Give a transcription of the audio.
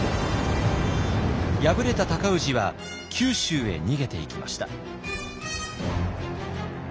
敗れた尊氏は九州へ逃げていきました。